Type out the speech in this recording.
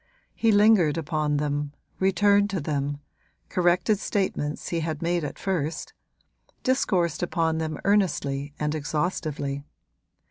He lingered upon them, returned to them, corrected statements he had made at first, discoursed upon them earnestly and exhaustively.